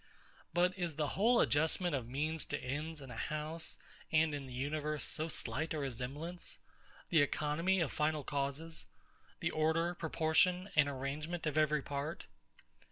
But is the whole adjustment of means to ends in a house and in the universe so slight a resemblance? The economy of final causes? The order, proportion, and arrangement of every part?